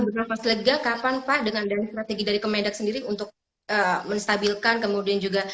berapa selegel kapan pak dengan dan strategi dari kemedek sendiri untuk menstabilkan kemudian juga